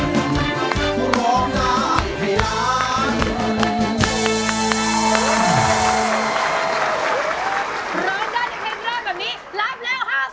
ร้องได้ในเพลงเริ่มแบบนี้ล้ำแล้ว๕๐๐๐บาท